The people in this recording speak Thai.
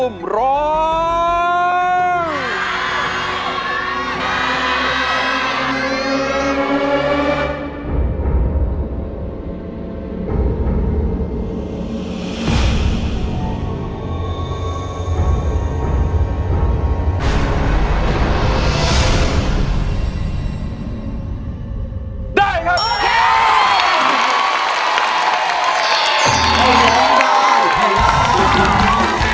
โภคใดโภคใดโภคใดโภคใดโภคใด